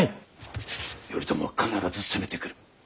頼朝は必ず攻めてくる。